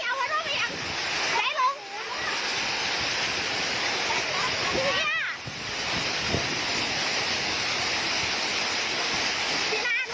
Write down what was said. ย้ายลงเนี่ยย้ายลงย้ายลงพี่เฮียพี่นาดเลยอ่ะ